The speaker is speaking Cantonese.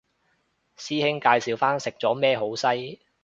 師兄介紹返食咗咩好西